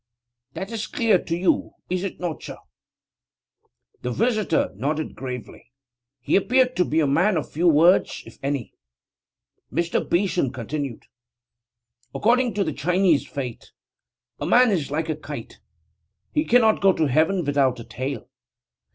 That is clear to you, is it not, sir?' The visitor nodded gravely. He appeared to be a man of few words, if any. Mr. Beeson continued: 'According to the Chinese faith, a man is like a kite: he cannot go to heaven without a tail.